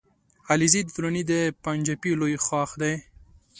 علیزی د دراني د پنجپای لوی ښاخ دی